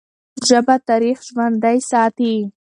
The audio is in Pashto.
ژبه تاریخ ژوندی ساتي.